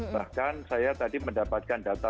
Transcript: bahkan saya tadi mendapatkan data